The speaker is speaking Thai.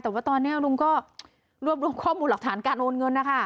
แต่ว่าตอนนี้ลุงก็รวบรวมข้อมูลหลักฐานการโอนเงินนะคะ